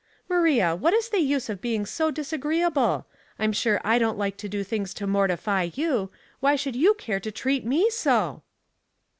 " Maria, what is the use of being so disagreea ble? I'm sure I don't like to do things to mortify you. Why should you care to treat me so?"